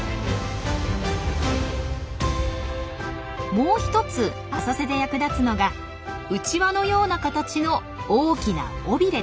もうひとつ浅瀬で役立つのがうちわのような形の大きな尾びれです。